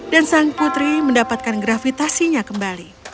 dan sang putri mendapatkan gravitasinya kembali